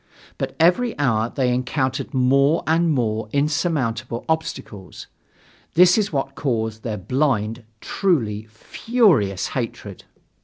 But every hour they encountered more and more insurmountable obstacles. This is what caused their blind, truly furious hatred.